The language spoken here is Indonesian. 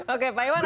oke pak iwan ada